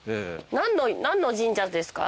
何の神社ですか？